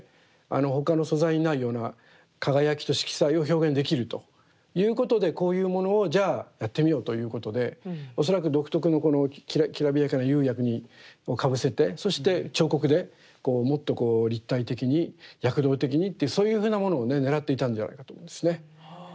他の素材にないような輝きと色彩を表現できるということでこういうものをじゃあやってみようということで恐らく独特のきらびやかな釉薬をかぶせてそして彫刻でこうもっとこう立体的に躍動的にっていうそういうふうなものをねねらっていたんじゃないかと思うんですね。